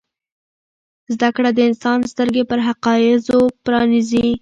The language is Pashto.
زده کړه د انسان سترګې پر حقایضو پرانیزي.